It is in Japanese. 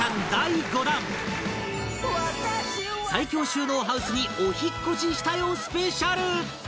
最強収納ハウスにお引っ越ししたよスペシャル